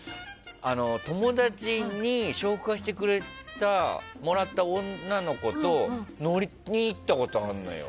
友達に紹介してくれてもらった女の子と乗りに行ったことがあるのよ。